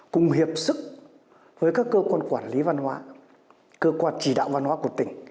cùng hiệp sức với các cơ quan quản lý văn hóa cơ quan chỉ đạo văn hóa của tỉnh